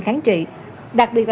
các phẫu thuật